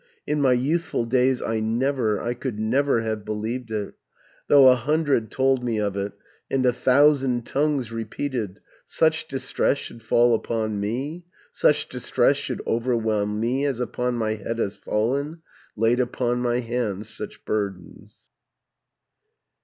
"In my youthful days I never, I could never have believed it, Though a hundred told me of it, And a thousand tongues repeated Such distress should fall upon me, Such distress should overwhelm me, As upon my head has fallen, Laid upon my hands such burdens."